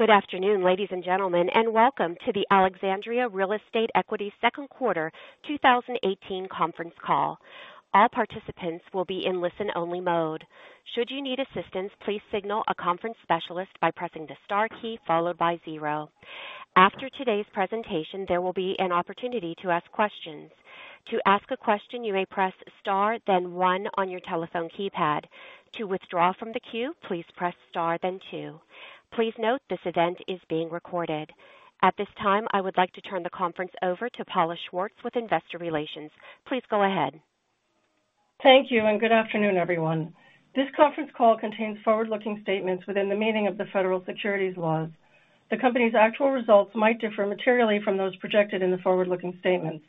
Good afternoon, ladies and gentlemen, and welcome to the Alexandria Real Estate Equities second quarter 2018 conference call. All participants will be in listen-only mode. Should you need assistance, please signal a conference specialist by pressing the star key followed by zero. After today's presentation, there will be an opportunity to ask questions. To ask a question, you may press star then one on your telephone keypad. To withdraw from the queue, please press star then two. Please note this event is being recorded. At this time, I would like to turn the conference over to Paula Schwartz with Investor Relations. Please go ahead. Thank you. Good afternoon, everyone. This conference call contains forward-looking statements within the meaning of the federal securities laws. The company's actual results might differ materially from those projected in the forward-looking statements.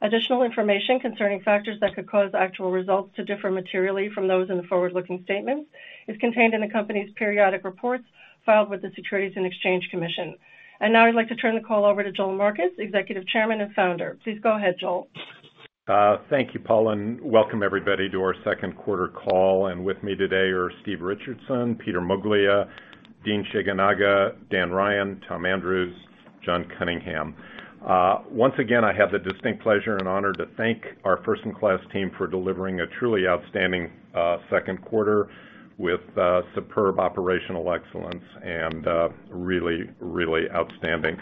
Additional information concerning factors that could cause actual results to differ materially from those in the forward-looking statements is contained in the company's periodic reports filed with the Securities and Exchange Commission. Now I'd like to turn the call over to Joel Marcus, Executive Chairman and Founder. Please go ahead, Joel. Thank you, Paula. Welcome everybody to our second quarter call. With me today are Steve Richardson, Peter Moglia, Dean Shigenaga, Dan Ryan, Tom Andrews, John Cunningham. Once again, I have the distinct pleasure and honor to thank our first-in-class team for delivering a truly outstanding second quarter with superb operational excellence and really outstanding.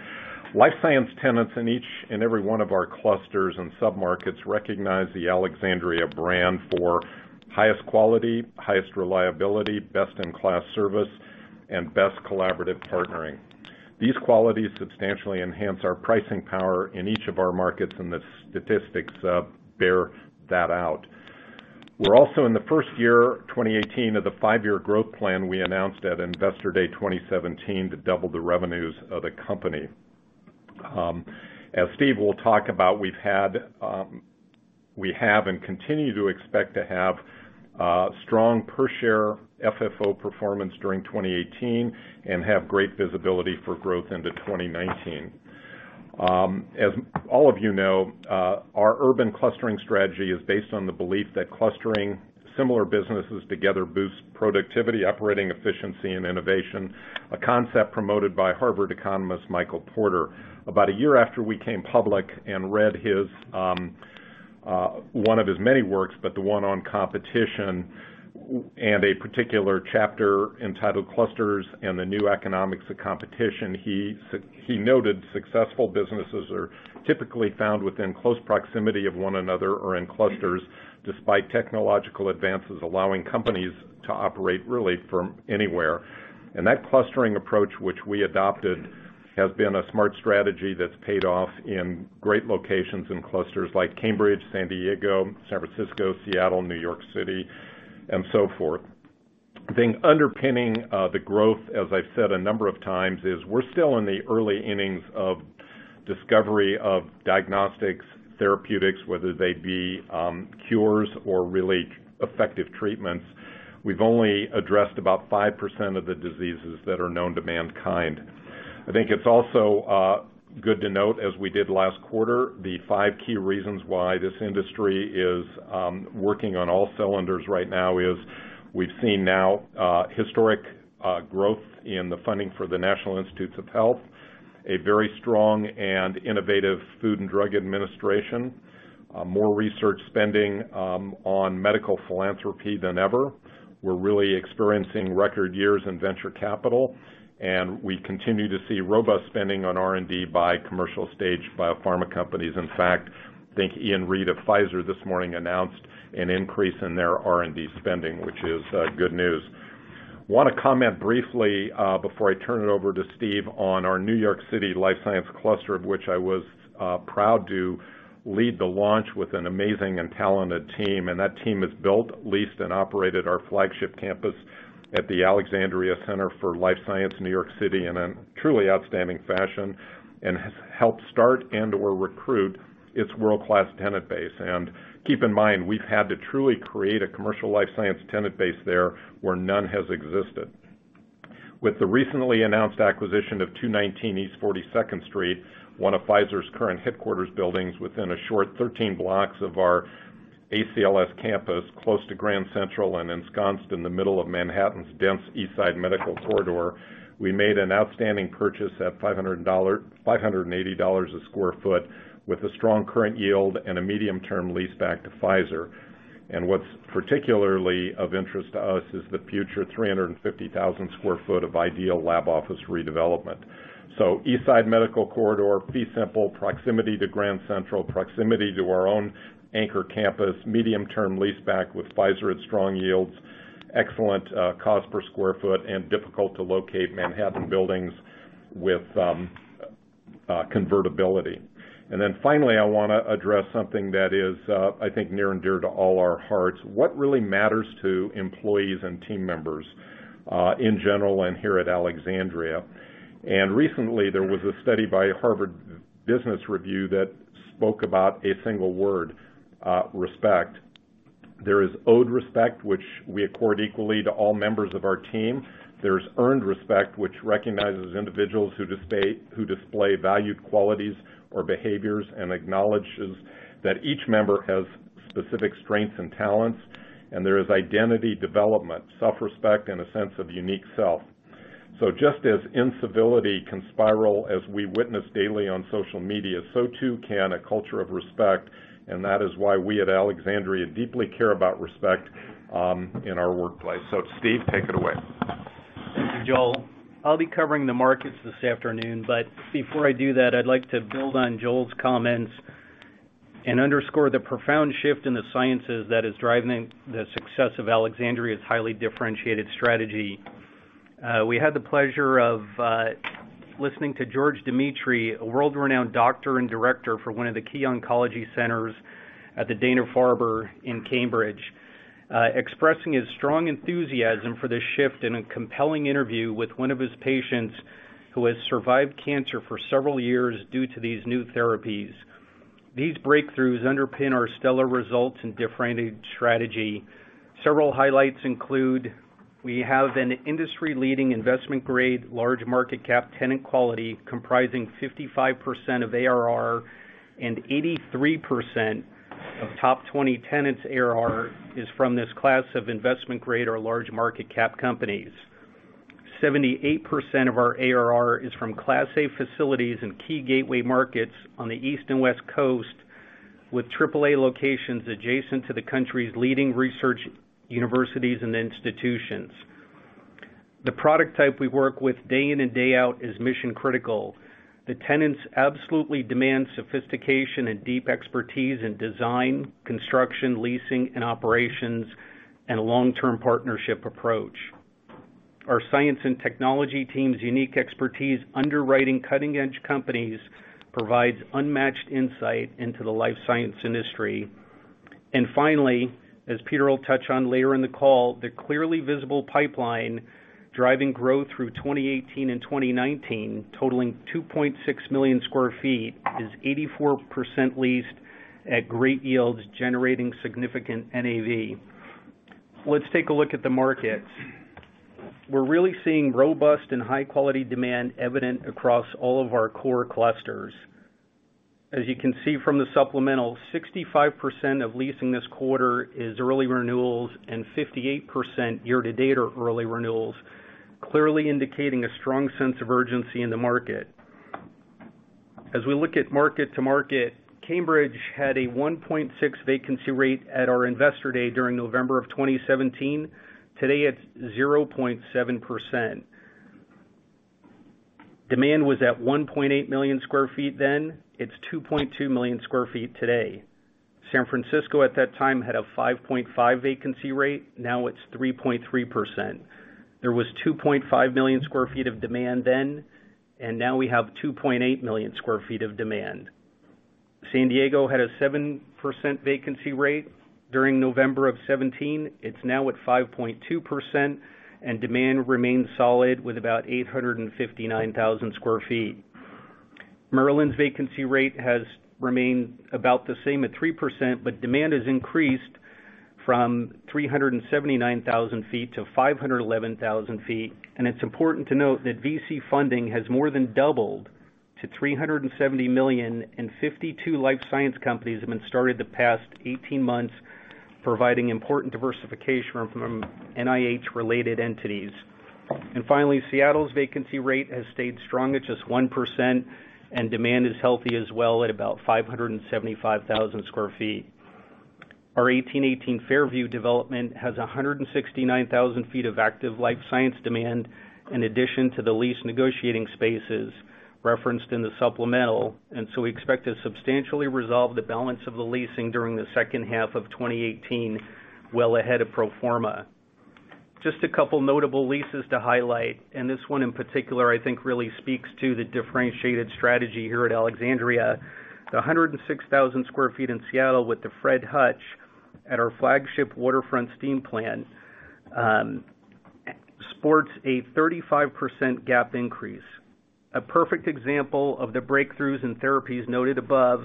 Life science tenants in each and every one of our clusters and sub-markets recognize the Alexandria brand for highest quality, highest reliability, best-in-class service, and best collaborative partnering. These qualities substantially enhance our pricing power in each of our markets, and the statistics bear that out. We're also in the first year 2018 of the five-year growth plan we announced at Investor Day 2017 to double the revenues of the company. As Steve will talk about, we have and continue to expect to have strong per-share FFO performance during 2018 and have great visibility for growth into 2019. As all of you know, our urban clustering strategy is based on the belief that clustering similar businesses together boosts productivity, operating efficiency, and innovation, a concept promoted by Harvard economist Michael Porter. About a year after we came public and read one of his many works, but the one on competition and a particular chapter entitled Clusters and the New Economics of Competition, he noted successful businesses are typically found within close proximity of one another or in clusters, despite technological advances allowing companies to operate really from anywhere. That clustering approach, which we adopted, has been a smart strategy that's paid off in great locations and clusters like Cambridge, San Diego, San Francisco, Seattle, New York City, and so forth. I think underpinning the growth, as I've said a number of times, is we're still in the early innings of discovery of diagnostics, therapeutics, whether they be cures or really effective treatments. We've only addressed about 5% of the diseases that are known to mankind. I think it's also good to note, as we did last quarter, the five key reasons why this industry is working on all cylinders right now is we've seen now historic growth in the funding for the National Institutes of Health, a very strong and innovative Food and Drug Administration, more research spending on medical philanthropy than ever. We're really experiencing record years in venture capital, and we continue to see robust spending on R&D by commercial stage biopharma companies. In fact, I think Ian Read of Pfizer this morning announced an increase in their R&D spending, which is good news. Want to comment briefly before I turn it over to Steve on our New York City life science cluster, of which I was proud to lead the launch with an amazing and talented team. That team has built, leased, and operated our flagship campus at the Alexandria Center for Life Science in New York City in a truly outstanding fashion and has helped start and/or recruit its world-class tenant base. Keep in mind, we've had to truly create a commercial life science tenant base there where none has existed. With the recently announced acquisition of 219 East 42nd Street, one of Pfizer's current headquarters buildings within a short 13 blocks of our ACLS campus, close to Grand Central and ensconced in the middle of Manhattan's dense East Side Medical Corridor, we made an outstanding purchase at $580 a square foot with a strong current yield and a medium-term leaseback to Pfizer. What's particularly of interest to us is the future 350,000 square foot of ideal lab office redevelopment. East Side Medical Corridor, be simple, proximity to Grand Central, proximity to our own anchor campus, medium-term leaseback with Pfizer at strong yields, excellent cost per square foot, and difficult to locate Manhattan buildings with convertibility. Finally, I want to address something that is, I think, near and dear to all our hearts. What really matters to employees and team members, in general and here at Alexandria. Recently, there was a study by Harvard Business Review that spoke about a single word, respect. There is owed respect, which we accord equally to all members of our team. There's earned respect, which recognizes individuals who display valued qualities or behaviors and acknowledges that each member has specific strengths and talents. There is identity development, self-respect, and a sense of unique self. Just as incivility can spiral, as we witness daily on social media, so too can a culture of respect, and that is why we at Alexandria deeply care about respect in our workplace. Steve, take it away. Thank you, Joel. I'll be covering the markets this afternoon, but before I do that, I'd like to build on Joel's comments and underscore the profound shift in the sciences that is driving the success of Alexandria's highly differentiated strategy. We had the pleasure of listening to George D. Demetri, a world-renowned doctor and director for one of the key oncology centers at the Dana-Farber in Cambridge, expressing his strong enthusiasm for this shift in a compelling interview with one of his patients who has survived cancer for several years due to these new therapies. These breakthroughs underpin our stellar results and differentiated strategy. Several highlights include we have an industry-leading investment-grade large market cap tenant quality comprising 55% of ARR, 83% of top 20 tenants' ARR is from this class of investment-grade or large market cap companies. 78% of our ARR is from Class A facilities in key gateway markets on the East and West Coast, with AAA locations adjacent to the country's leading research universities and institutions. The product type we work with day in and day out is mission-critical. The tenants absolutely demand sophistication and deep expertise in design, construction, leasing, and operations, and a long-term partnership approach. Our science and technology team's unique expertise underwriting cutting-edge companies provides unmatched insight into the life science industry. Finally, as Peter Moglia will touch on later in the call, the clearly visible pipeline driving growth through 2018 and 2019, totaling 2.6 million square feet, is 84% leased at great yields, generating significant NAV. Let's take a look at the markets. We're really seeing robust and high-quality demand evident across all of our core clusters. As you can see from the supplemental, 65% of leasing this quarter is early renewals and 58% year-to-date are early renewals, clearly indicating a strong sense of urgency in the market. As we look at market to market, Cambridge had a 1.6 vacancy rate at our investor day during November of 2017. Today, it's 0.7%. Demand was at 1.8 million square feet then. It's 2.2 million square feet today. San Francisco at that time had a 5.5 vacancy rate. Now it's 3.3%. There was 2.5 million square feet of demand then, now we have 2.8 million square feet of demand. San Diego had a 7% vacancy rate during November of 2017. It's now at 5.2%, demand remains solid with about 859,000 square feet. Maryland's vacancy rate has remained about the same at 3%, but demand has increased from 379,000 feet to 511,000 feet. It's important to note that VC funding has more than doubled to $370 million, 52 life science companies have been started the past 18 months, providing important diversification from NIH-related entities. Finally, Seattle's vacancy rate has stayed strong at just 1%, demand is healthy as well at about 575,000 square feet. Our 1818 Fairview development has 169,000 feet of active life science demand in addition to the lease negotiating spaces referenced in the supplemental, so we expect to substantially resolve the balance of the leasing during the second half of 2018, well ahead of pro forma. Just a couple notable leases to highlight, this one in particular I think really speaks to the differentiated strategy here at Alexandria. The 106,000 square feet in Seattle with the Fred Hutch at our flagship waterfront Steam Plant sports a 35% GAAP increase. A perfect example of the breakthroughs in therapies noted above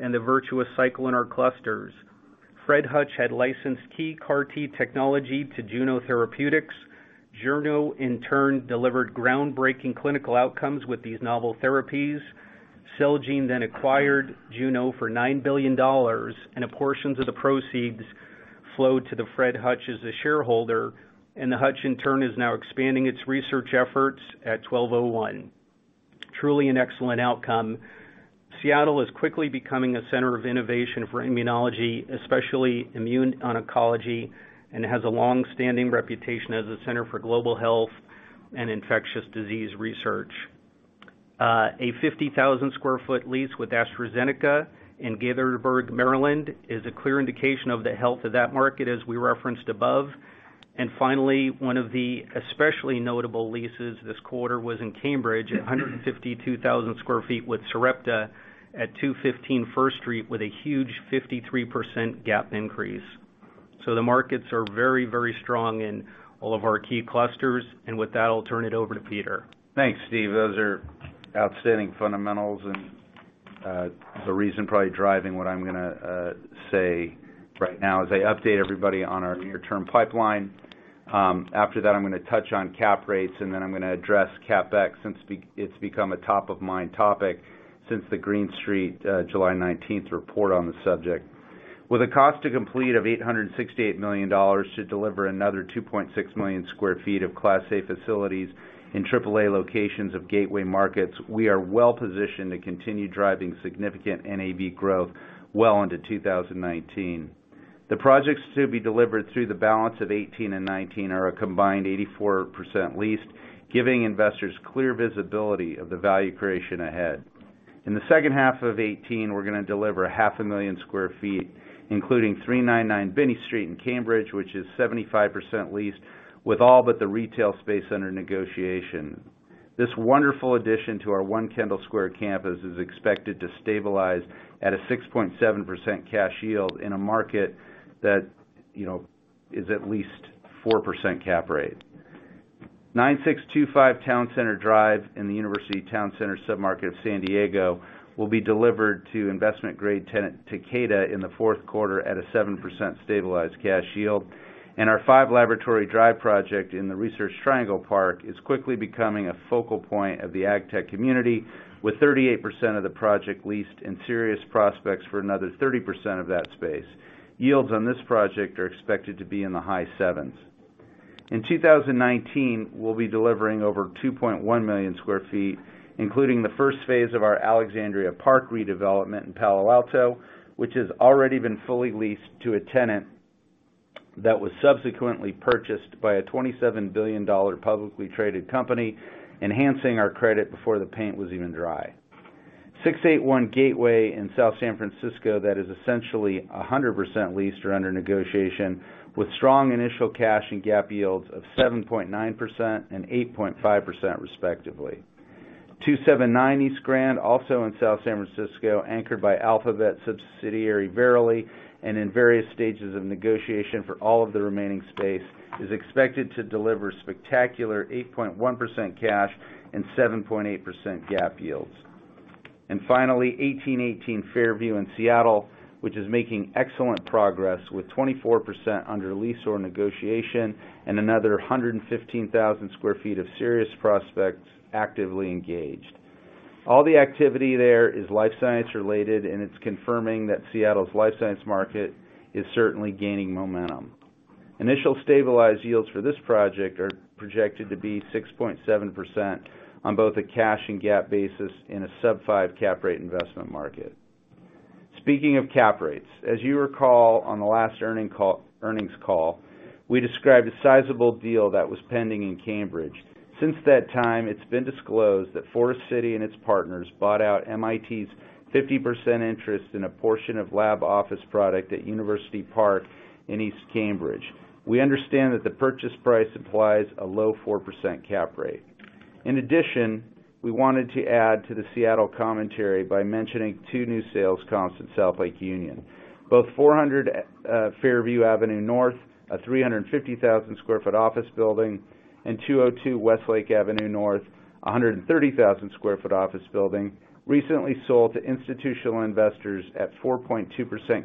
and the virtuous cycle in our clusters. Fred Hutch had licensed key CAR T technology to Juno Therapeutics. Juno in turn delivered groundbreaking clinical outcomes with these novel therapies. Celgene then acquired Juno for $9 billion, and a portion of the proceeds flow to the Fred Hutch as a shareholder, and the Hutch in turn is now expanding its research efforts at 1201. Truly an excellent outcome. Seattle is quickly becoming a center of innovation for immunology, especially immune oncology, and it has a long-standing reputation as a center for global health and infectious disease research. A 50,000 sq ft lease with AstraZeneca in Gaithersburg, Maryland, is a clear indication of the health of that market, as we referenced above. Finally, one of the especially notable leases this quarter was in Cambridge, 152,000 sq ft with Sarepta at 215 First Street with a huge 53% GAAP increase. The markets are very strong in all of our key clusters. With that, I'll turn it over to Peter. Thanks, Steve. Those are outstanding fundamentals and the reason probably driving what I'm going to say right now as I update everybody on our near-term pipeline After that, I'm going to touch on cap rates, and then I'm going to address CapEx, since it's become a top-of-mind topic since the Green Street July 19th report on the subject. With a cost to complete of $868 million to deliver another 2.6 million sq ft of Class A facilities in triple-A locations of gateway markets, we are well-positioned to continue driving significant NAV growth well into 2019. The projects to be delivered through the balance of 2018 and 2019 are a combined 84% leased, giving investors clear visibility of the value creation ahead. In the second half of 2018, we're going to deliver half a million sq ft, including 399 Binney Street in Cambridge, which is 75% leased, with all but the retail space under negotiation. This wonderful addition to our 1 Kendall Square campus is expected to stabilize at a 6.7% cash yield in a market that is at least 4% cap rate. 9625 Town Center Drive in the University Town Center submarket of San Diego will be delivered to investment-grade tenant Takeda in the fourth quarter at a 7% stabilized cash yield. Our 5 Laboratory Drive project in the Research Triangle Park is quickly becoming a focal point of the ag tech community, with 38% of the project leased and serious prospects for another 30% of that space. Yields on this project are expected to be in the high sevens. In 2019, we'll be delivering over 2.1 million square feet, including the first phase of our Alexandria Park redevelopment in Palo Alto, which has already been fully leased to a tenant that was subsequently purchased by a $27 billion publicly traded company, enhancing our credit before the paint was even dry. 681 Gateway in South San Francisco, that is essentially 100% leased or under negotiation, with strong initial cash and GAAP yields of 7.9% and 8.5% respectively. 279 East Grand, also in South San Francisco, anchored by Alphabet subsidiary Verily, and in various stages of negotiation for all of the remaining space, is expected to deliver spectacular 8.1% cash and 7.8% GAAP yields. 1818 Fairview in Seattle, which is making excellent progress with 24% under lease or negotiation and another 115,000 square feet of serious prospects actively engaged. All the activity there is life science related, and it's confirming that Seattle's life science market is certainly gaining momentum. Initial stabilized yields for this project are projected to be 6.7% on both a cash and GAAP basis in a sub five cap rate investment market. Speaking of cap rates, as you recall on the last earnings call, we described a sizable deal that was pending in Cambridge. Since that time, it's been disclosed that Forest City and its partners bought out MIT's 50% interest in a portion of lab office product at University Park in East Cambridge. We understand that the purchase price implies a low 4% cap rate. In addition, we wanted to add to the Seattle commentary by mentioning two new sales comps at South Lake Union. Both 400 Fairview Avenue North, a 350,000 square foot office building, and 202 Westlake Avenue North, 130,000 square foot office building, recently sold to institutional investors at 4.2%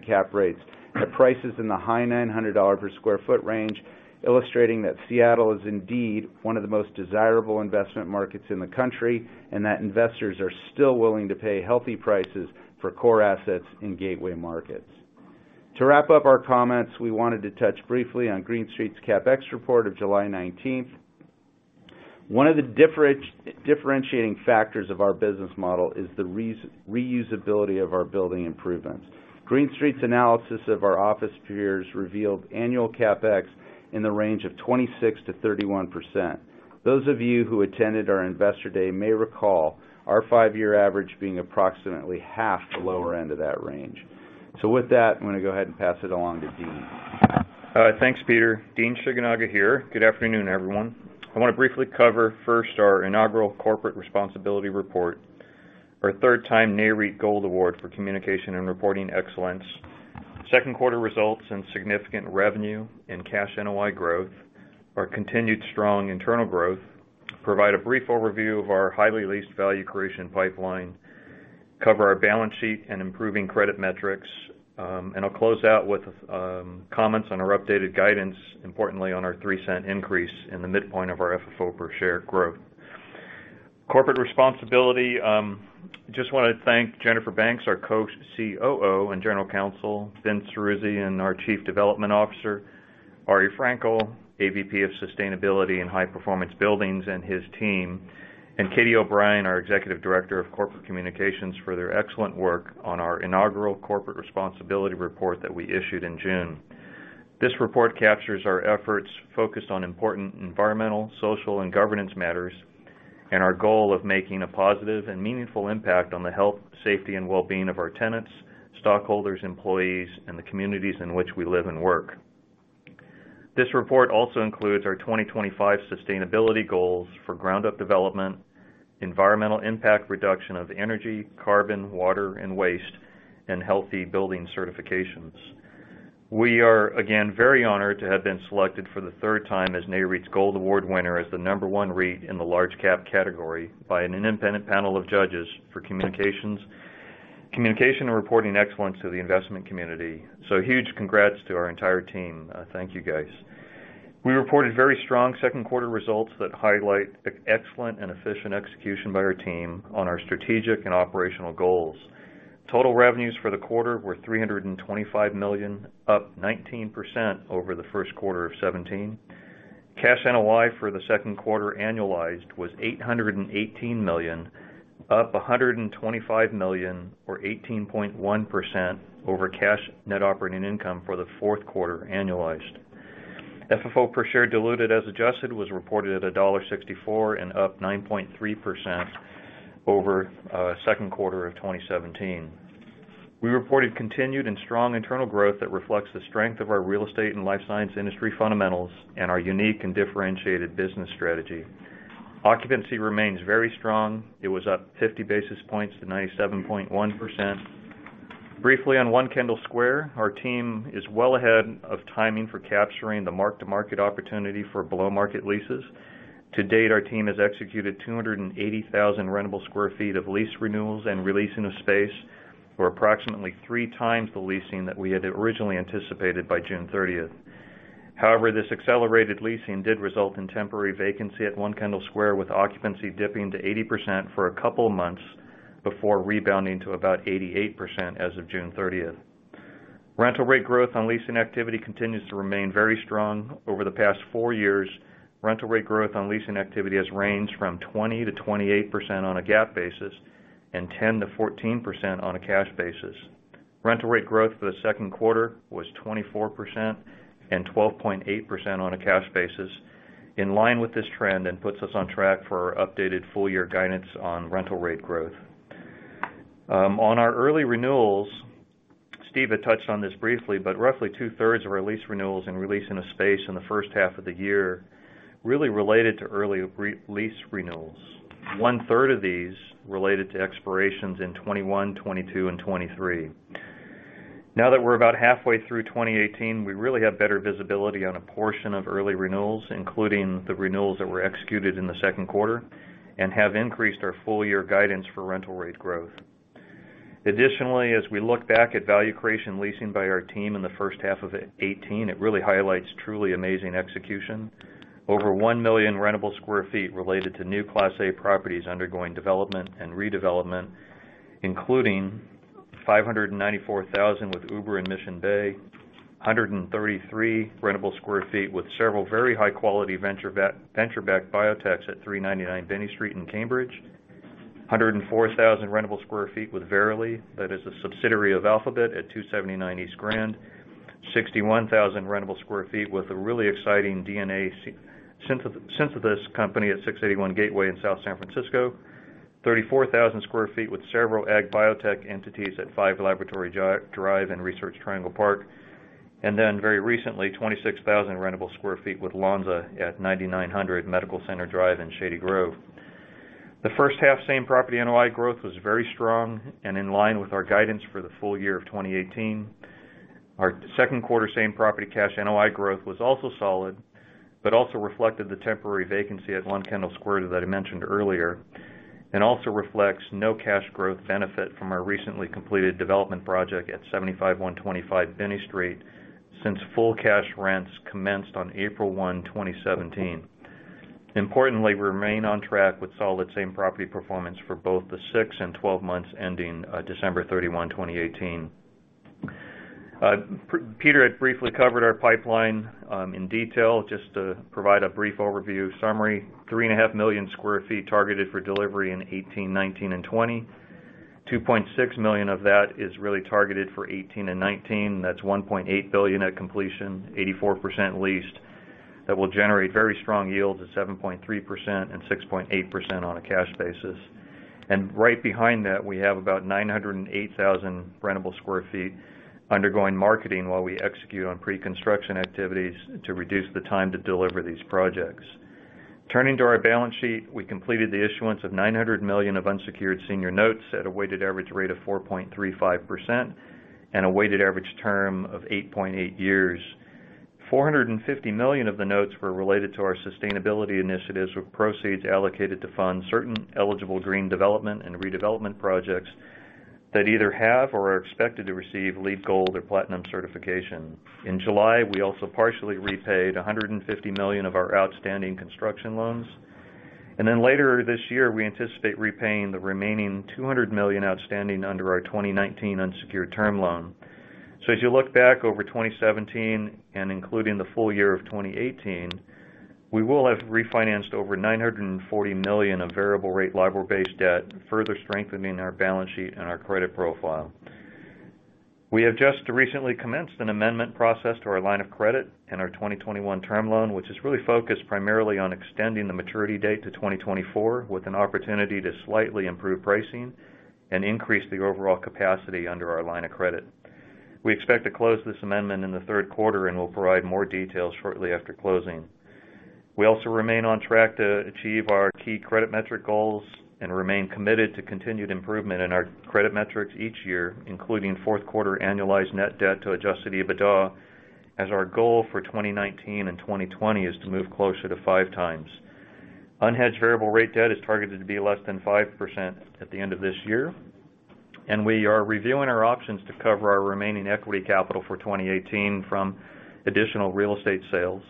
cap rates at prices in the high $900 per square foot range, illustrating that Seattle is indeed one of the most desirable investment markets in the country, and that investors are still willing to pay healthy prices for core assets in gateway markets. To wrap up our comments, we wanted to touch briefly on Green Street's CapEx report of July 19th. One of the differentiating factors of our business model is the reusability of our building improvements. Green Street's analysis of our office peers revealed annual CapEx in the range of 26%-31%. Those of you who attended our investor day may recall our five-year average being approximately half the lower end of that range. With that, I'm going to go ahead and pass it along to Dean. Thanks, Peter. Dean Shigenaga here. Good afternoon, everyone. I want to briefly cover first our inaugural Corporate Responsibility Report, our third time Nareit's Gold Award for Communication and Reporting Excellence, second quarter results and significant revenue and cash NOI growth, our continued strong internal growth, provide a brief overview of our highly leased value creation pipeline, cover our balance sheet and improving credit metrics, and I'll close out with comments on our updated guidance, importantly on our $0.03 increase in the midpoint of our FFO per share growth. Corporate responsibility, just want to thank Jennifer Banks, our Co-COO and General Counsel, Vince Ceruzzi, and our Chief Development Officer, Ari Frankel, AVP of Sustainability and High-Performance Buildings, and his team, and Katie O'Brien, our Executive Director of Corporate Communications, for their excellent work on our inaugural Corporate Responsibility Report that we issued in June. This report captures our efforts focused on important environmental, social, and governance matters, and our goal of making a positive and meaningful impact on the health, safety, and well-being of our tenants, stockholders, employees, and the communities in which we live and work. This report also includes our 2025 sustainability goals for ground-up development, environmental impact reduction of energy, carbon, water, and waste, and healthy building certifications. We are, again, very honored to have been selected for the third time as Nareit's Gold Award winner as the number 1 REIT in the large cap category by an independent panel of judges for Communication and Reporting Excellence to the investment community. Huge congrats to our entire team. Thank you, guys. We reported very strong second quarter results that highlight excellent and efficient execution by our team on our strategic and operational goals. Total revenues for the quarter were $325 million, up 19% over the first quarter of 2017. Cash NOI for the second quarter annualized was $818 million, up $125 million, or 18.1% over cash net operating income for the fourth quarter annualized. FFO per share diluted as adjusted was reported at $1.64 and up 9.3% over second quarter of 2017. We reported continued and strong internal growth that reflects the strength of our real estate and life science industry fundamentals and our unique and differentiated business strategy. Occupancy remains very strong. It was up 50 basis points to 97.1%. Briefly on One Kendall Square, our team is well ahead of timing for capturing the mark-to-market opportunity for below-market leases. To date, our team has executed 280,000 rentable square feet of lease renewals and release into space, or approximately three times the leasing that we had originally anticipated by June 30th. However, this accelerated leasing did result in temporary vacancy at One Kendall Square, with occupancy dipping to 80% for a couple of months before rebounding to about 88% as of June 30th. Rental rate growth on leasing activity continues to remain very strong. Over the past 4 years, rental rate growth on leasing activity has ranged from 20%-28% on a GAAP basis and 10%-14% on a cash basis. Rental rate growth for the second quarter was 24% and 12.8% on a cash basis. This is in line with this trend and puts us on track for our updated full-year guidance on rental rate growth. On our early renewals, Steve had touched on this briefly, roughly two-thirds of our lease renewals and re-lease into space in the first half of the year really related to early lease renewals. One-third of these related to expirations in 2021, 2022, and 2023. Now that we're about halfway through 2018, we really have better visibility on a portion of early renewals, including the renewals that were executed in the second quarter and have increased our full-year guidance for rental rate growth. Additionally, as we look back at value creation leasing by our team in the first half of 2018, it really highlights truly amazing execution. Over 1 million rentable square feet related to new class A properties undergoing development and redevelopment, including 594,000 sq ft with Uber in Mission Bay, 133 rentable square feet with several very high-quality venture-backed biotechs at 399 Binney Street in Cambridge, 104,000 rentable square feet with Verily, that is a subsidiary of Alphabet, at 279 East Grand, 61,000 rentable square feet with a really exciting DNA synthesis company at 681 Gateway in South San Francisco. 34,000 square feet with several ag biotech entities at 5 Laboratory Drive in Research Triangle Park. Very recently, 26,000 rentable square feet with Lonza at 9900 Medical Center Drive in Shady Grove. The first half same-property NOI growth was very strong and in line with our guidance for the full year of 2018. Our second quarter same-property cash NOI growth was also solid, also reflected the temporary vacancy at One Kendall Square that I mentioned earlier, and also reflects no cash growth benefit from our recently completed development project at 75-125 Binney Street, since full cash rents commenced on April 1, 2017. Importantly, we remain on track with solid same-property performance for both the 6 and 12 months ending December 31, 2018. Peter had briefly covered our pipeline in detail. Just to provide a brief overview summary, three and a half million square feet targeted for delivery in 2018, 2019, and 2020. 2.6 million of that is really targeted for 2018 and 2019. That's $1.8 billion at completion, 84% leased. That will generate very strong yields at 7.3% and 6.8% on a cash basis. Right behind that, we have about 908,000 rentable square feet undergoing marketing while we execute on pre-construction activities to reduce the time to deliver these projects. Turning to our balance sheet, we completed the issuance of $900 million of unsecured senior notes at a weighted average rate of 4.35% and a weighted average term of 8.8 years. $450 million of the notes were related to our sustainability initiatives, with proceeds allocated to fund certain eligible green development and redevelopment projects that either have or are expected to receive LEED Gold or Platinum certification. In July, we also partially repaid $150 million of our outstanding construction loans. Later this year, we anticipate repaying the remaining $200 million outstanding under our 2019 unsecured term loan. As you look back over 2017 and including the full year of 2018, we will have refinanced over $940 million of variable rate LIBOR-based debt, further strengthening our balance sheet and our credit profile. We have just recently commenced an amendment process to our line of credit and our 2021 term loan, which is really focused primarily on extending the maturity date to 2024 with an opportunity to slightly improve pricing and increase the overall capacity under our line of credit. We expect to close this amendment in the third quarter and will provide more details shortly after closing. We also remain on track to achieve our key credit metric goals and remain committed to continued improvement in our credit metrics each year, including fourth quarter annualized net debt to adjusted EBITDA, as our goal for 2019 and 2020 is to move closer to 5x. Unhedged variable rate debt is targeted to be less than 5% at the end of this year. We are reviewing our options to cover our remaining equity capital for 2018 from additional real estate sales.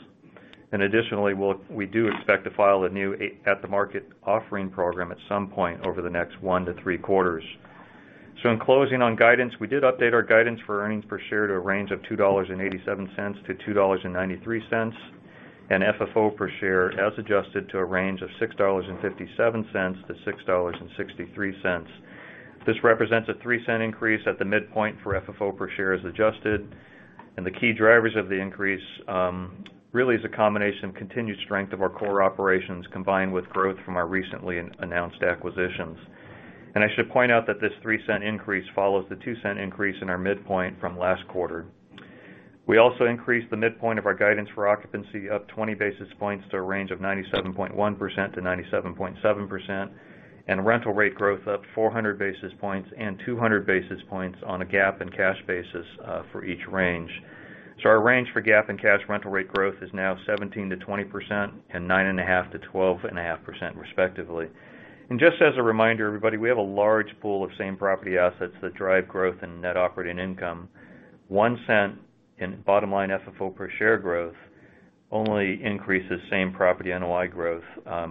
Additionally, we do expect to file a new at-the-market offering program at some point over the next one to three quarters. In closing on guidance, we did update our guidance for earnings per share to a range of $2.87-$2.93, and FFO per share as adjusted, to a range of $6.57-$6.63. This represents a $0.03 increase at the midpoint for FFO per share as adjusted, and the key drivers of the increase really is a combination of continued strength of our core operations, combined with growth from our recently announced acquisitions. I should point out that this $0.03 increase follows the $0.02 increase in our midpoint from last quarter. We also increased the midpoint of our guidance for occupancy up 20 basis points to a range of 97.1%-97.7%, and rental rate growth up 400 basis points and 200 basis points on a GAAP and cash basis, for each range. Our range for GAAP and cash rental rate growth is now 17%-20%, and 9.5%-12.5% respectively. Just as a reminder, everybody, we have a large pool of same-property assets that drive growth in net operating income. $0.01 in bottom-line FFO per share growth only increases same-property NOI growth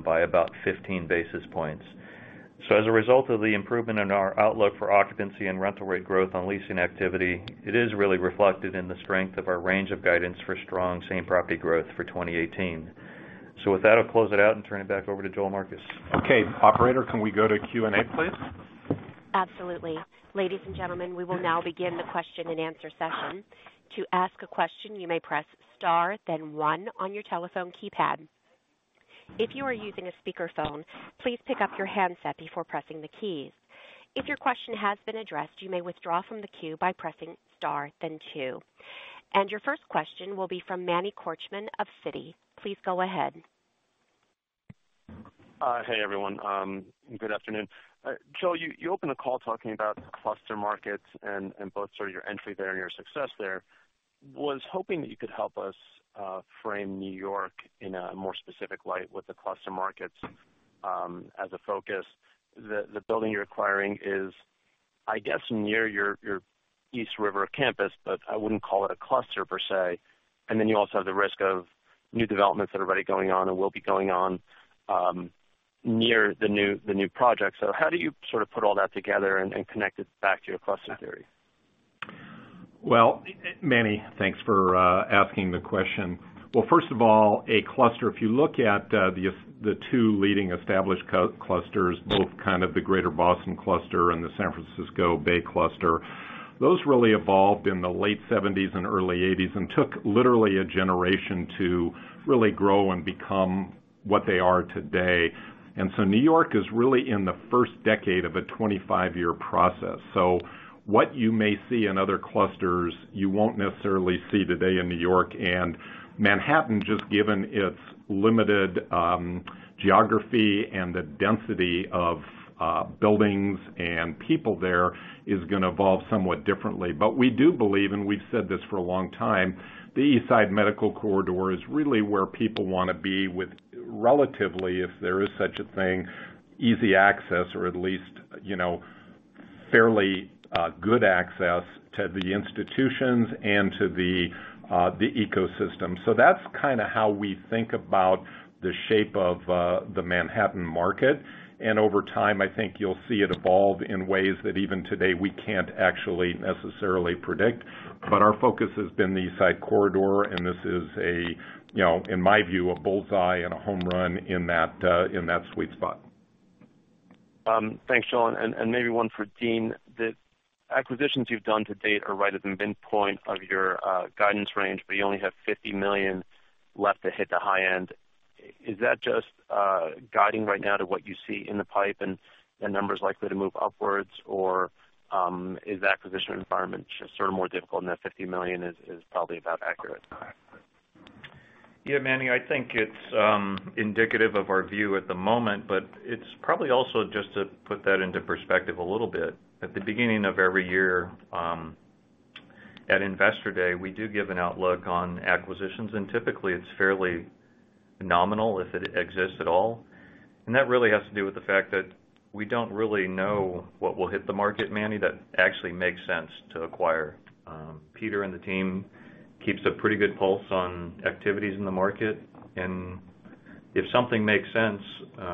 by about 15 basis points. As a result of the improvement in our outlook for occupancy and rental rate growth on leasing activity, it is really reflected in the strength of our range of guidance for strong same-property growth for 2018. With that, I'll close it out and turn it back over to Joel Marcus. Okay. Operator, can we go to Q&A, please? Absolutely. Ladies and gentlemen, we will now begin the question-and-answer session. To ask a question, you may press star, then one on your telephone keypad. If you are using a speakerphone, please pick up your handset before pressing the keys. If your question has been addressed, you may withdraw from the queue by pressing star then two. Your first question will be from Emmanuel Korchman of Citi. Please go ahead. Hi, everyone. Good afternoon. Joel, you opened the call talking about cluster markets and both sort of your entry there and your success there. Was hoping that you could help us frame New York in a more specific light with the cluster markets as a focus. The building you're acquiring is, I guess, near your East River campus, but I wouldn't call it a cluster per se. Then you also have the risk of new developments that are already going on and will be going on near the new project. How do you sort of put all that together and connect it back to your cluster theory? Well, Manny, thanks for asking the question. Well, first of all, a cluster, if you look at the two leading established clusters, both kind of the greater Boston cluster and the San Francisco Bay cluster, those really evolved in the late '70s and early '80s and took literally a generation to really grow and become what they are today. New York is really in the first decade of a 25-year process. What you may see in other clusters, you won't necessarily see today in New York. Manhattan, just given its limited geography and the density of buildings and people there, is going to evolve somewhat differently. We do believe, and we've said this for a long time, the East Side Medical Corridor is really where people want to be with relatively, if there is such a thing, easy access or at least fairly good access to the institutions and to the ecosystem. That's kind of how we think about the shape of the Manhattan market. Over time, I think you'll see it evolve in ways that even today we can't actually necessarily predict. Our focus has been the East Side Corridor, and this is, in my view, a bullseye and a home run in that sweet spot. Thanks, Joel, and maybe one for Dean. The acquisitions you've done to date are right at the midpoint of your guidance range, you only have $50 million left to hit the high end. Is that just guiding right now to what you see in the pipe and the numbers likely to move upwards, or is the acquisition environment just sort of more difficult and that $50 million is probably about accurate? Manny, I think it's indicative of our view at the moment, it's probably also just to put that into perspective a little bit. At the beginning of every year, at Investor Day, we do give an outlook on acquisitions, and typically it's fairly nominal if it exists at all. That really has to do with the fact that we don't really know what will hit the market, Manny, that actually makes sense to acquire. Peter and the team keeps a pretty good pulse on activities in the market, and if something makes sense,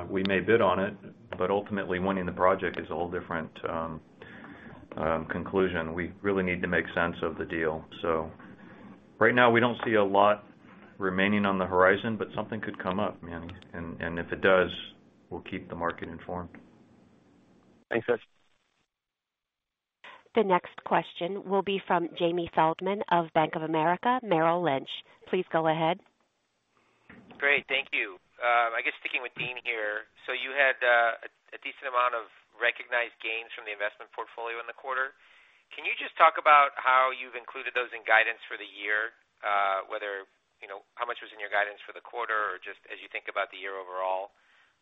we may bid on it, ultimately winning the project is a whole different conclusion. We really need to make sense of the deal. Right now we don't see a lot remaining on the horizon, something could come up, Manny, and if it does, we'll keep the market informed. Thanks, guys. The next question will be from Jamie Feldman of Bank of America Merrill Lynch. Please go ahead. Great. Thank you. I guess sticking with Dean here. You had a decent amount of recognized gains from the investment portfolio in the quarter. Can you just talk about how you've included those in guidance for the year, whether how much was in your guidance for the quarter or just as you think about the year overall,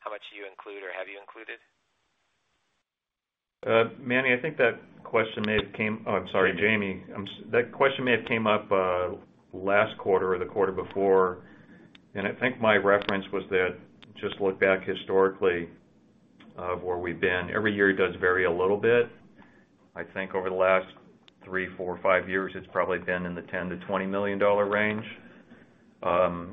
how much you include or have you included? Manny, I'm sorry, Jamie. That question may have come up last quarter or the quarter before, and I think my reference was that just look back historically of where we've been. Every year does vary a little. I think over the last three, four, five years, it's probably been in the $10 million to $20 million range.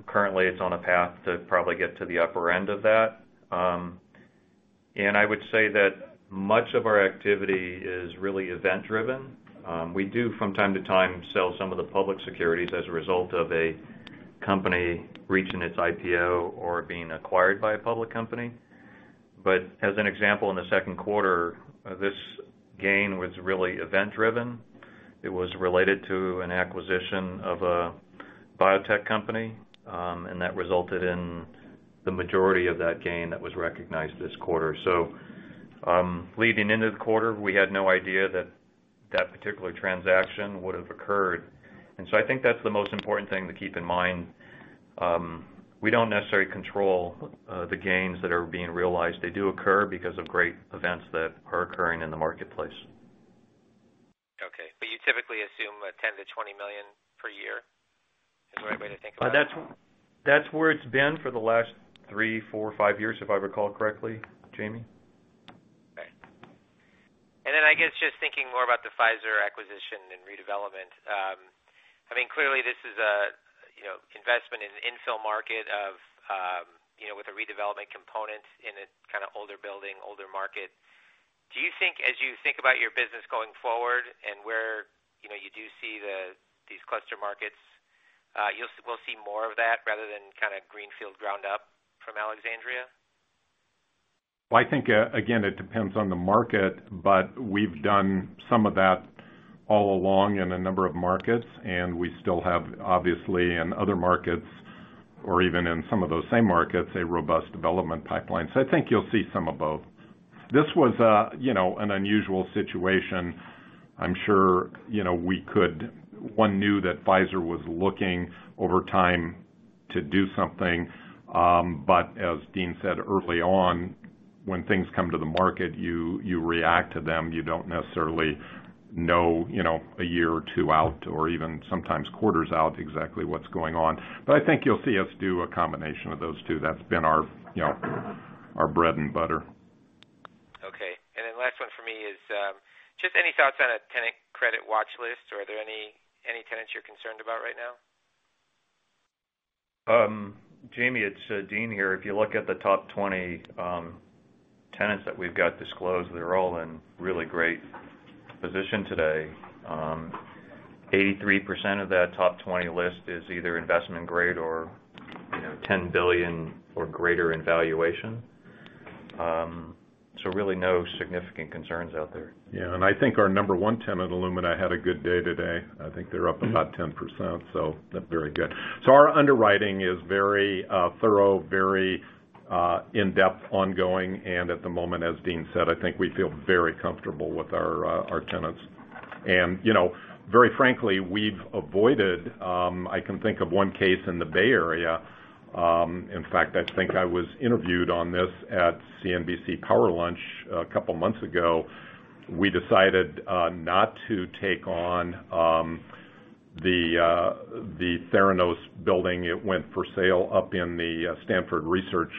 Currently, it's on a path to probably get to the upper end of that. I would say that much of our activity is really event-driven. We do, from time to time, sell some of the public securities as a result of a company reaching its IPO or being acquired by a public company. As an example, in the second quarter, this gain was really event-driven. It was related to an acquisition of a biotech company, and that resulted in the majority of that gain that was recognized this quarter. Leading into the quarter, we had no idea that that particular transaction would have occurred. I think that's the most important thing to keep in mind. We don't necessarily control the gains that are being realized. They do occur because of great events that are occurring in the marketplace. Okay. You typically assume a $10 million-$20 million per year, is the right way to think about it? That's where it's been for the last three, four, five years, if I recall correctly, Jamie. Okay. Then, I guess, just thinking more about the Pfizer acquisition and redevelopment. I mean, clearly this is investment in infill market with a redevelopment component in an older building, older market. Do you think, as you think about your business going forward and where you do see these cluster markets, we'll see more of that rather than kind of greenfield ground up from Alexandria? Well, I think, again, it depends on the market, but we've done some of that all along in a number of markets, and we still have, obviously, in other markets or even in some of those same markets, a robust development pipeline. I think you'll see some of both. This was an unusual situation. One knew that Pfizer was looking over time to do something. As Dean said early on, when things come to the market, you react to them. You don't necessarily know a year or two out or even sometimes quarters out exactly what's going on. I think you'll see us do a combination of those two. That's been our bread and butter. Okay. Last one for me is, any thoughts on a tenant credit watch list, or are there any tenants you're concerned about right now? Jamie, it's Dean here. If you look at the top 20 tenants that we've got disclosed, they're all in really great position today. 83% of that top 20 list is either investment-grade or $10 billion or greater in valuation. Really no significant concerns out there. I think our number 1 tenant, Illumina, had a good day today. I think they're up about 10%, very good. Our underwriting is very thorough, very in-depth, ongoing, and at the moment, as Dean said, I think we feel very comfortable with our tenants. Very frankly, we've avoided I can think of 1 case in the Bay Area. In fact, I think I was interviewed on this at CNBC Power Lunch a couple of months ago. We decided not to take on the Theranos building. It went for sale up in the Stanford Research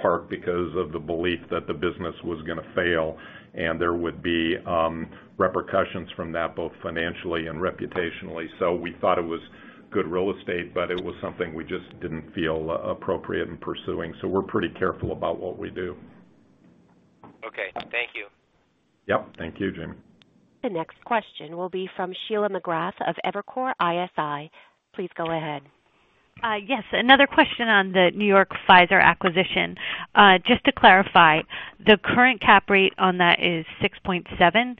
Park because of the belief that the business was going to fail and there would be repercussions from that, both financially and reputationally. We thought it was good real estate, but it was something we just didn't feel appropriate in pursuing. We're pretty careful about what we do. Okay. Thank you. Yep. Thank you, Jamie. The next question will be from Sheila McGrath of Evercore ISI. Please go ahead. Yes. Another question on the New York Pfizer acquisition. Just to clarify, the current cap rate on that is 6.7%.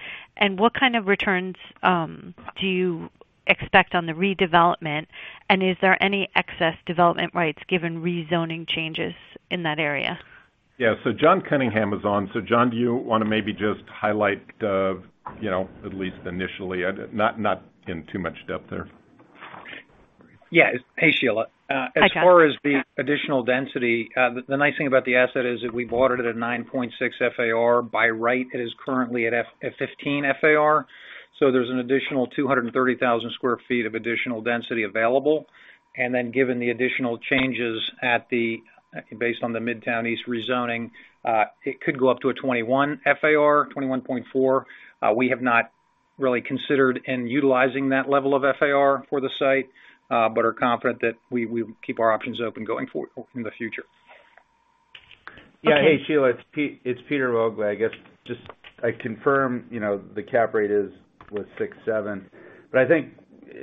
What kind of returns do you expect on the redevelopment? Is there any excess development rights given rezoning changes in that area? Yeah. John Cunningham is on. John, do you want to maybe just highlight, at least initially? Not in too much depth there. Yeah. Hey, Sheila. Hi, John. As far as the additional density, the nice thing about the asset is that we bought it at a 9.6 FAR. By right, it is currently at 15 FAR. There's an additional 230,000 square feet of additional density available. Given the additional changes based on the Midtown East rezoning, it could go up to a 21 FAR, 21.4. We have not really considered in utilizing that level of FAR for the site, but are confident that we will keep our options open going forward in the future. Yeah. Hey, Sheila, it's Peter Moglia. I guess, just I confirm the cap rate was 6.7%. I think,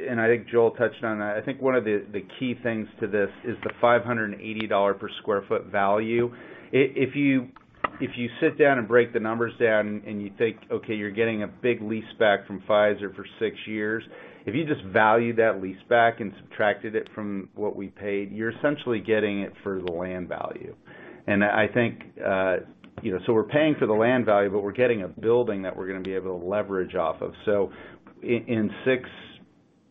and I think Joel touched on it, I think one of the key things to this is the $580 per square foot value. If you sit down and break the numbers down and you think, okay, you're getting a big leaseback from Pfizer for six years. If you just value that leaseback and subtracted it from what we paid, you're essentially getting it for the land value. We're paying for the land value, but we're getting a building that we're going to be able to leverage off of. In six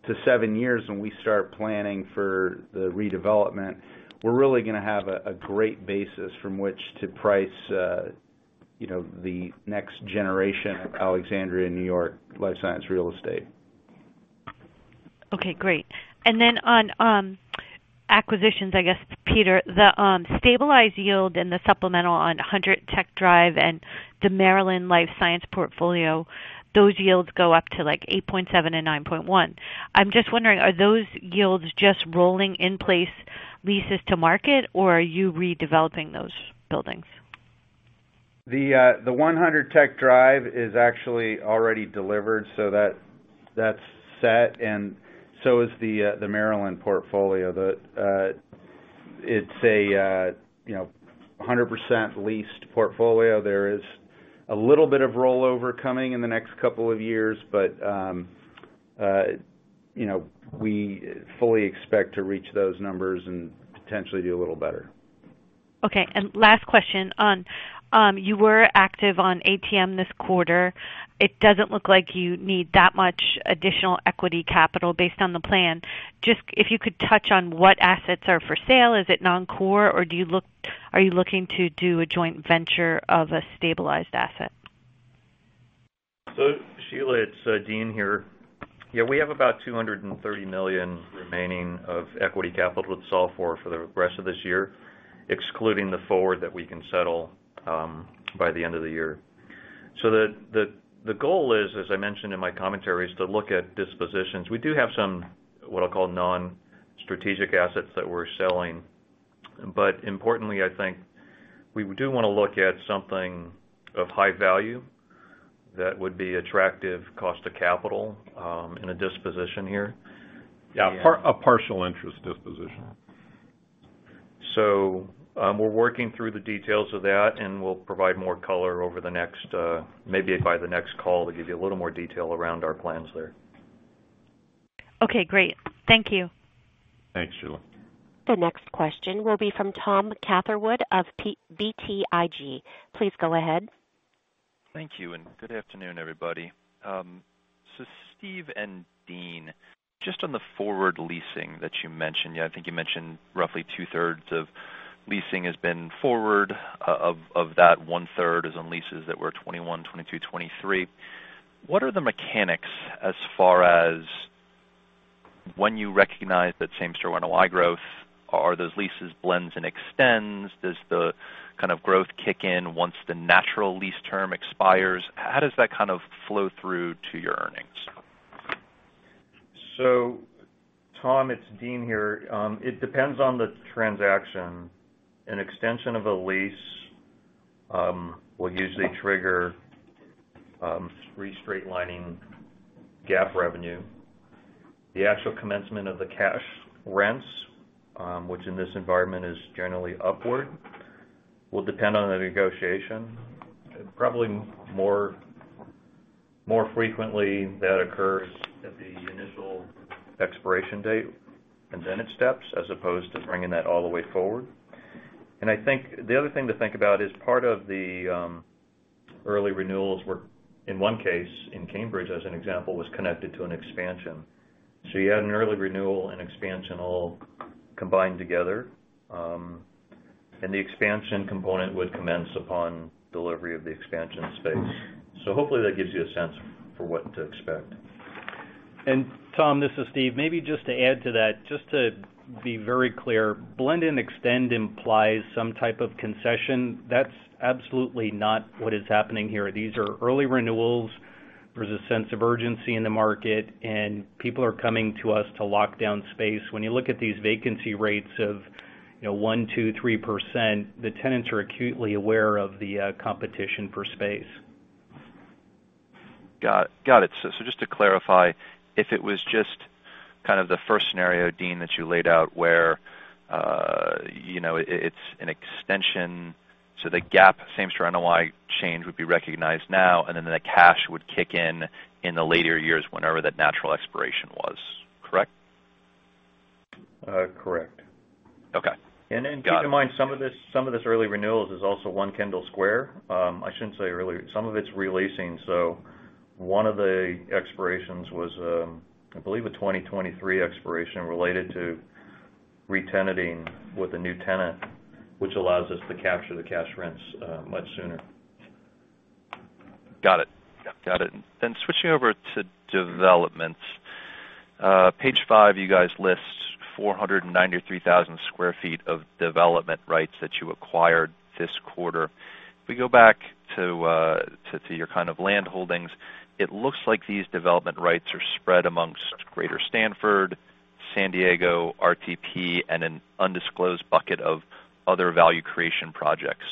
to seven years when we start planning for the redevelopment, we're really going to have a great basis from which to price the next generation of Alexandria New York life science real estate. Okay, great. On acquisitions, I guess, Peter, the stabilized yield and the supplemental on 100 Tech Drive and the Maryland life science portfolio, those yields go up to like 8.7 and 9.1. I'm just wondering, are those yields just rolling in-place leases to market, or are you redeveloping those buildings? The 100 Tech Drive is actually already delivered, so that's set, and so is the Maryland portfolio. It's a 100% leased portfolio. There is a little bit of rollover coming in the next couple of years, but we fully expect to reach those numbers and potentially do a little better. Okay. Last question on, you were active on ATM this quarter. It doesn't look like you need that much additional equity capital based on the plan. Just if you could touch on what assets are for sale, is it non-core, or are you looking to do a joint venture of a stabilized asset? Sheila, it's Dean here. Yeah, we have about $230 million remaining of equity capital to absolve for the rest of this year, excluding the forward that we can settle by the end of the year. The goal is, as I mentioned in my commentary, is to look at dispositions. We do have some, what I'll call non-strategic assets that we're selling. Importantly, I think, we do want to look at something of high value that would be attractive cost to capital in a disposition here. Yeah, a partial interest disposition. We're working through the details of that, and we'll provide more color maybe by the next call to give you a little more detail around our plans there. Okay, great. Thank you. Thanks, Sheila. The next question will be from Thomas Catherwood of BTIG. Please go ahead. Thank you, and good afternoon, everybody. Steve and Dean, just on the forward leasing that you mentioned. I think you mentioned roughly two-thirds of leasing has been forward. Of that one-third is on leases that were 2021, 2022, 2023. What are the mechanics as far as when you recognize that same-store NOI growth? Are those leases blends and extends? Does the kind of growth kick in once the natural lease term expires? How does that kind of flow through to your earnings? Tom, it's Dean here. It depends on the transaction. An extension of a lease will usually trigger re-straight-lining GAAP revenue. The actual commencement of the cash rents, which in this environment is generally upward, will depend on the negotiation. Probably more frequently that occurs at the initial expiration date, and then it steps, as opposed to bringing that all the way forward. I think the other thing to think about is part of the early renewals were, in one case, in Cambridge, as an example, was connected to an expansion. You had an early renewal and expansion all combined together, and the expansion component would commence upon delivery of the expansion space. Hopefully that gives you a sense for what to expect. Tom, this is Steve. Maybe just to add to that, just to be very clear, blend and extend implies some type of concession. That's absolutely not what is happening here. These are early renewals. There's a sense of urgency in the market, and people are coming to us to lock down space. When you look at these vacancy rates of one, two, 3%, the tenants are acutely aware of the competition for space. Just to clarify, if it was just kind of the first scenario, Dean, that you laid out where it's an extension, the GAAP same story NOI change would be recognized now, and then the cash would kick in in the later years whenever that natural expiration was. Correct? Correct. Okay. Got it. Keep in mind, some of this early renewals is also One Kendall Square. I shouldn't say early. Some of it's re-leasing, one of the expirations was, I believe, a 2023 expiration related to re-tenanting with a new tenant, which allows us to capture the cash rents much sooner. Got it. Yeah. Got it. Switching over to developments. Page five, you guys list 493,000 sq ft of development rights that you acquired this quarter. If we go back to your kind of land holdings, it looks like these development rights are spread amongst Greater Stanford, San Diego, RTP, and an undisclosed bucket of other value creation projects.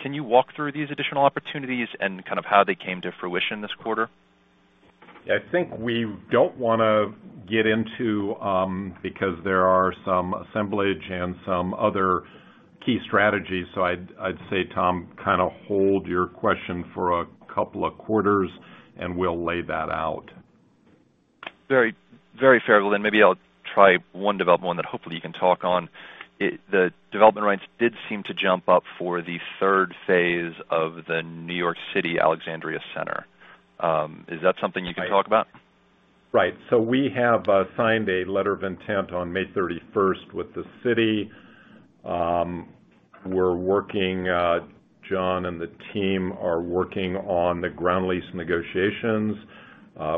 Can you walk through these additional opportunities and kind of how they came to fruition this quarter? I think we don't want to get into, because there are some assemblage and some other key strategies. I'd say, Tom, kind of hold your question for a couple of quarters, and we'll lay that out. Very fair. Maybe I'll try one development that hopefully you can talk on. The development rights did seem to jump up for the third phase of the New York City Alexandria Center. Is that something you can talk about? Right. We have signed a letter of intent on May 31st with the city. John and the team are working on the ground lease negotiations.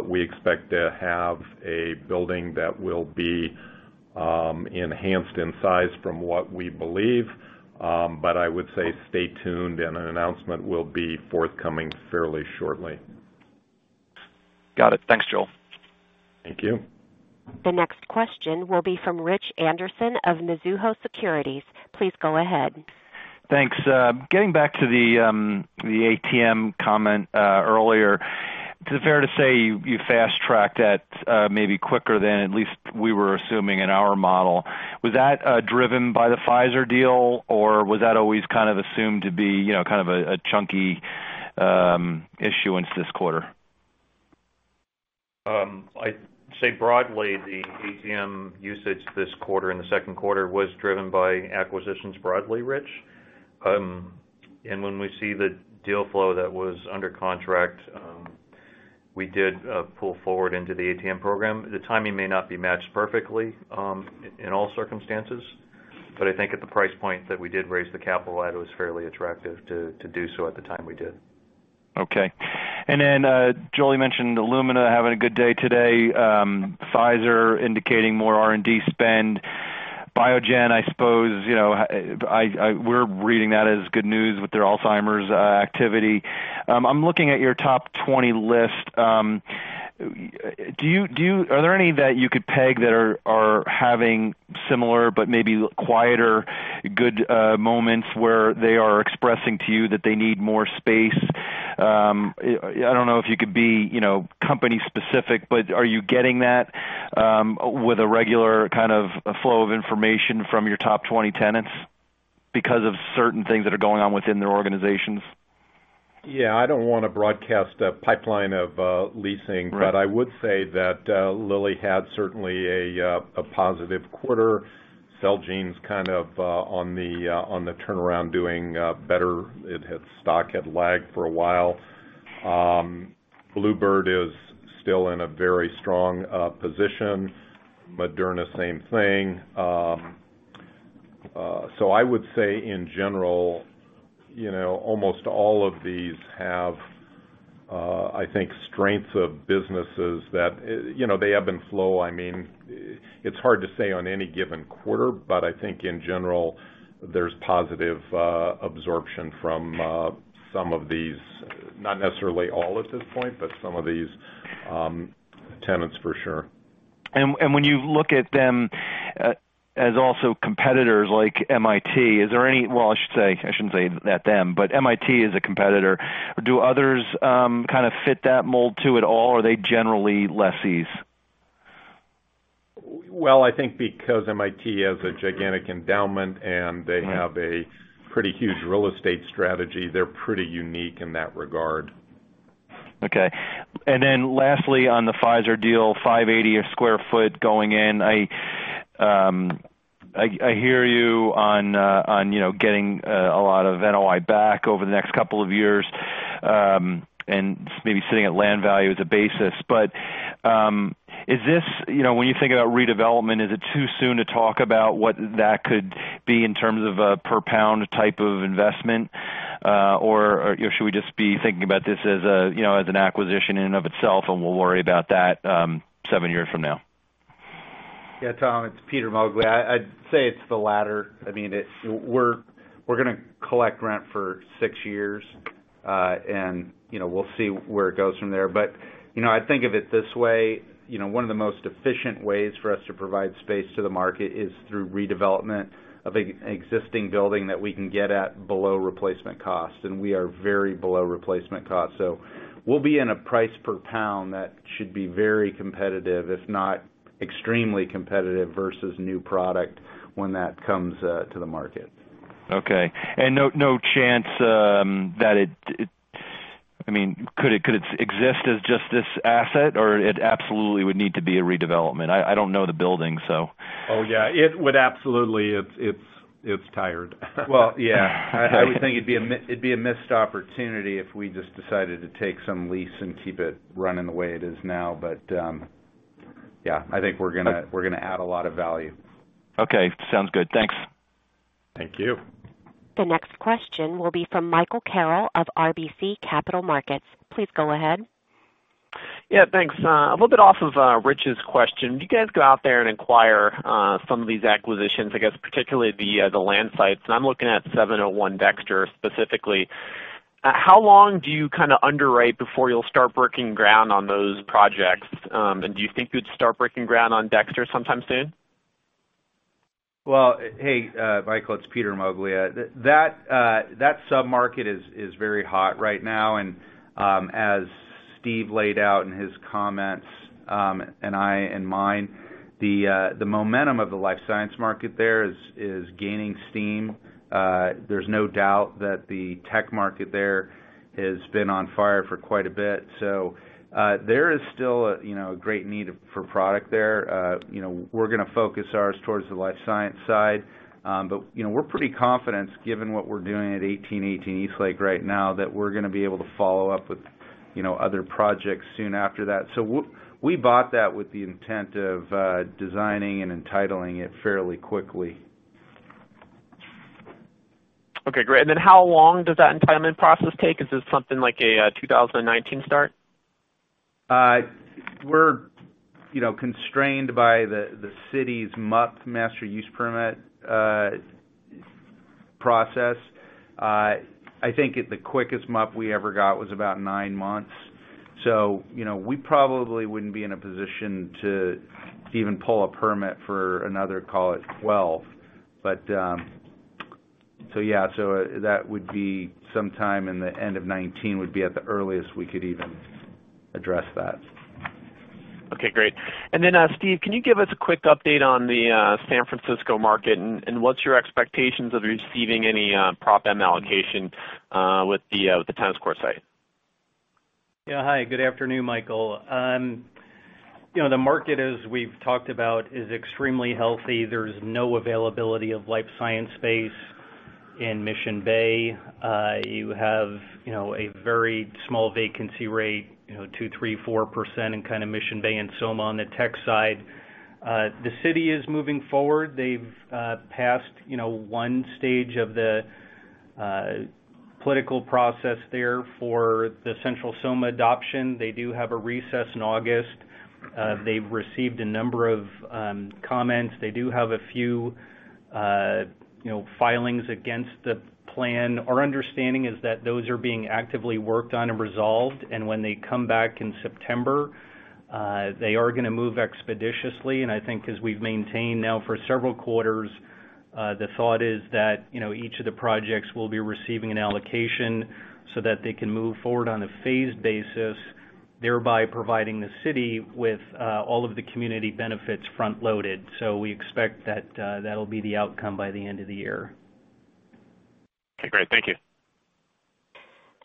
We expect to have a building that will be enhanced in size from what we believe. I would say stay tuned and an announcement will be forthcoming fairly shortly. Got it. Thanks, Joel. Thank you. The next question will be from Richard Anderson of Mizuho Securities. Please go ahead. Thanks. Getting back to the ATM comment earlier, is it fair to say you fast-tracked that maybe quicker than at least we were assuming in our model? Was that driven by the Pfizer deal, or was that always kind of assumed to be kind of a chunky issuance this quarter? I'd say broadly, the ATM usage this quarter, in the second quarter, was driven by acquisitions broadly, Rich. When we see the deal flow that was under contract, we did pull forward into the ATM program. The timing may not be matched perfectly in all circumstances, but I think at the price point that we did raise the capital at, it was fairly attractive to do so at the time we did. Okay. Joel mentioned Illumina having a good day today. Pfizer indicating more R&D spend. Biogen, I suppose, we're reading that as good news with their Alzheimer's activity. I'm looking at your top 20 list. Are there any that you could peg that are having similar but maybe quieter, good moments where they are expressing to you that they need more space? I don't know if you could be company specific, but are you getting that with a regular kind of flow of information from your top 20 tenants because of certain things that are going on within their organizations? Yeah, I don't want to broadcast a pipeline of leasing- Right I would say that Lilly had certainly a positive quarter. Celgene's kind of on the turnaround, doing better. Its stock had lagged for a while. bluebird bio is still in a very strong position. Moderna, same thing. I would say in general, almost all of these have I think strengths of businesses that, they ebb and flow. I mean, it's hard to say on any given quarter, but I think in general, there's positive absorption from some of these, not necessarily all at this point, but some of these tenants for sure. When you look at them as also competitors like MIT, is there any. I shouldn't say at them, but MIT is a competitor. Do others kind of fit that mold too at all, or are they generally lessees? I think because MIT has a gigantic endowment and they have a pretty huge real estate strategy, they're pretty unique in that regard. Lastly, on the Pfizer deal, $580 a sq ft going in. I hear you on getting a lot of NOI back over the next couple of years, and maybe sitting at land value as a basis. When you think about redevelopment, is it too soon to talk about what that could be in terms of a per pound type of investment? Or should we just be thinking about this as an acquisition in and of itself, and we'll worry about that seven years from now? Tom, it's Peter Moglia. I'd say it's the latter. We're going to collect rent for six years. We'll see where it goes from there. I think of it this way, one of the most efficient ways for us to provide space to the market is through redevelopment of an existing building that we can get at below replacement cost, and we are very below replacement cost. We'll be in a price per pound that should be very competitive, if not extremely competitive versus new product when that comes to the market. Okay. No chance, could it exist as just this asset, or it absolutely would need to be a redevelopment? I don't know the building, so. Yeah, it would absolutely. It's tired. Well, yeah. I would think it'd be a missed opportunity if we just decided to take some lease and keep it running the way it is now. Yeah, I think we're gonna add a lot of value. Okay. Sounds good. Thanks. Thank you. The next question will be from Michael Carroll of RBC Capital Markets. Please go ahead. Yeah, thanks. A little bit off of Rich's question. Do you guys go out there and acquire some of these acquisitions, I guess particularly the land sites? I'm looking at 701 Dexter specifically. How long do you kind of underwrite before you'll start breaking ground on those projects? Do you think you'd start breaking ground on Dexter sometime soon? Well, hey, Michael, it's Peter Moglia. That sub-market is very hot right now, and as Steve laid out in his comments, and I in mine, the momentum of the life science market there is gaining steam. There's no doubt that the tech market there has been on fire for quite a bit. There is still a great need for product there. We're going to focus ours towards the life science side. We're pretty confident, given what we're doing at 1818 Fairview right now, that we're going to be able to follow up with other projects soon after that. We bought that with the intent of designing and entitling it fairly quickly. Okay, great. How long does that entitlement process take? Is this something like a 2019 start? We're constrained by the city's MUP, Master Use Permit, process. I think the quickest MUP we ever got was about nine months. We probably wouldn't be in a position to even pull a permit for another, call it, 12. Yeah. That would be sometime in the end of 2019 would be at the earliest we could even address that. Okay, great. Steve, can you give us a quick update on the San Francisco market? What's your expectations of receiving any Proposition M allocation with the Tennis Court site? Yeah. Hi, good afternoon, Michael. The market, as we've talked about, is extremely healthy. There's no availability of life science space in Mission Bay. You have a very small vacancy rate, 2%, 3%, 4% in kind of Mission Bay and SoMa on the tech side. The city is moving forward. They've passed one stage of the political process there for the Central SoMa adoption. They do have a recess in August. They've received a number of comments. They do have a few filings against the plan. Our understanding is that those are being actively worked on and resolved, when they come back in September, they are going to move expeditiously. I think as we've maintained now for several quarters, the thought is that each of the projects will be receiving an allocation so that they can move forward on a phased basis, thereby providing the city with all of the community benefits front-loaded. We expect that that'll be the outcome by the end of the year. Okay, great. Thank you.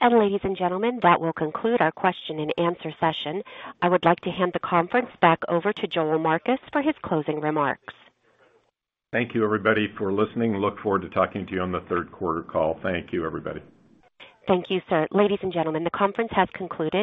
Ladies and gentlemen, that will conclude our question and answer session. I would like to hand the conference back over to Joel Marcus for his closing remarks. Thank you, everybody, for listening. Look forward to talking to you on the third quarter call. Thank you, everybody. Thank you, sir. Ladies and gentlemen, the conference has concluded